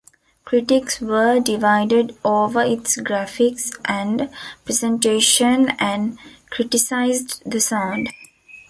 Critics were divided over its graphics and presentation, and criticised the sound.